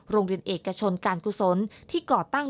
โรงเรียนเอกชนการกุศลที่ก่อตั้ง